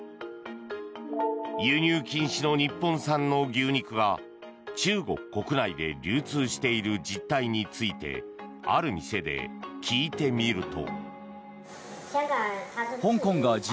輸入禁止の日本産の牛肉が中国国内で流通している実態についてある店で聞いてみると。